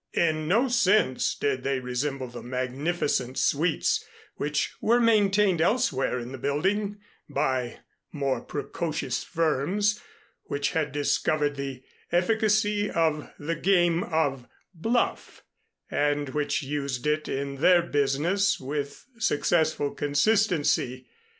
In no sense did they resemble the magnificent suites which were maintained elsewhere in the building by more precocious firms which had discovered the efficacy of the game of "bluff," and which used it in their business with successful consistency.